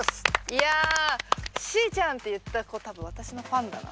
いやあ「しーちゃん」って言った子多分私のファンだな。